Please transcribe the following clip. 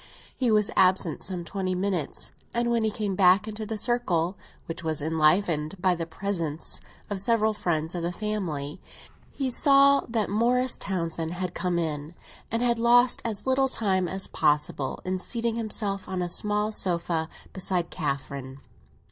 He was absent some twenty minutes, and when he came back into the circle, which was enlivened by the presence of several friends of the family, he saw that Morris Townsend had come in and had lost as little time as possible in seating himself on a small sofa, beside Catherine.